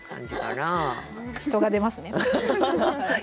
人が出ますね。